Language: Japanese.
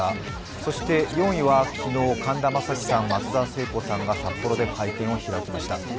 そして４位は昨日神田正輝さん、松田聖子さんが札幌で会見を開きました。